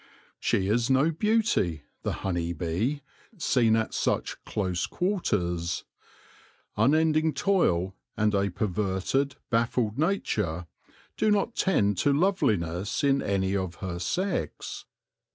She is no beauty — the honey bee, seen at such close quarters ; unending toil, and a perverted, baffled nature, do not tend to loveliness in any of her sex.